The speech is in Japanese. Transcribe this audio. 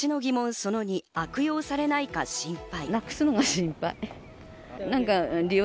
その２、悪用されないか心配。